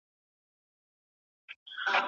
ته وا، نه دلته راتله وو